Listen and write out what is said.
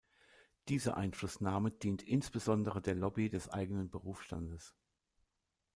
Diese Einflussnahme dient insbesondere der Lobby des eigenen Berufsstandes.